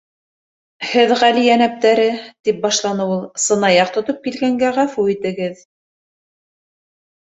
—Һеҙ Ғали Йәнәптәре, —тип башланы ул, —сынаяҡ тотоп килгәнгә ғәфү итегеҙ.